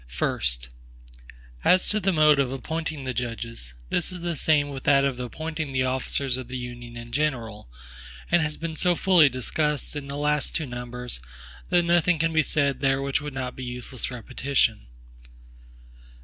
First. As to the mode of appointing the judges; this is the same with that of appointing the officers of the Union in general, and has been so fully discussed in the two last numbers, that nothing can be said here which would not be useless repetition.